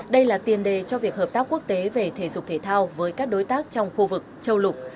đây là tiền đề cho việc hợp tác quốc tế về thể dục thể thao với các đối tác trong khu vực châu lục